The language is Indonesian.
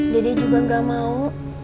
dede juga gak mau